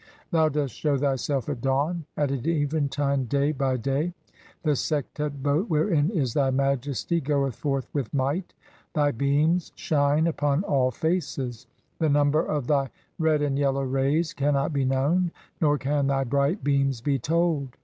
Thou dost shew thyself at dawn and at eventide day "bv dav. (18) The Sektet boat, wherein is thy Majesty, goeth "forth with might; thy beams [shine] upon [all] faces ; [the num "ber] of thv red and yellow rays cannot be known, nor can thy "bright (19) beams be told.